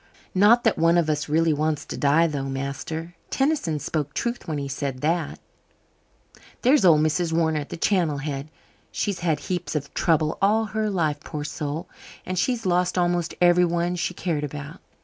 Not that one of us really wants to die, though, master. Tennyson spoke truth when he said that. There's old Mrs. Warner at the Channel Head. She's had heaps of trouble all her life, poor soul, and she's lost almost everyone she cared about.